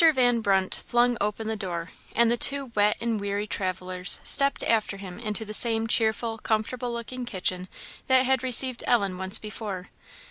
van Brunt flung open the door, and the two wet and weary travellers stepped after him into the same cheerful, comfortable looking kitchen that had received Ellen once before.